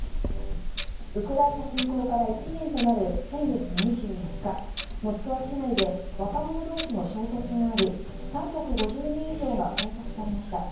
ウクライナ侵攻から１年となる先月２４日モスクワ市内で若者同士の衝突があり３５０人以上が拘束されました。